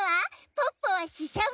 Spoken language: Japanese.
ポッポはししゃも！